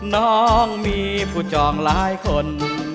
น้องมีผู้จองหลายคน